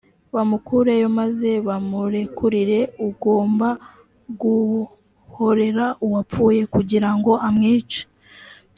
bamukureyo, maze bamurekurire ugomba guhorera uwapfuye kugira ngo amwice.